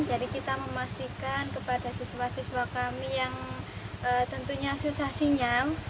jadi kita memastikan kepada siswa siswa kami yang tentunya susah sinyal